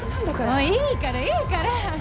もういいからいいから。